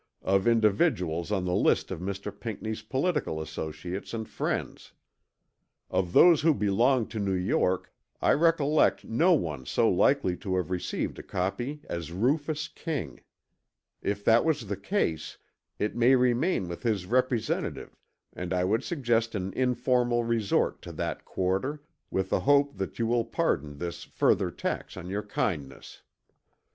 of individuals on the list of Mr. Pinckney's political associates and friends. Of those who belonged to N. York, I recollect no one so likely to have received a copy as Rufus King. If that was the case, it may remain with his representative, and I would suggest an informal resort to that quarter, with a hope that you will pardon this further tax on your kindness."